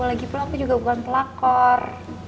lagipula aku juga bukan pelakor